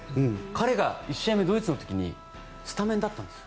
彼が１試合目ドイツの時にスタメンだったんです。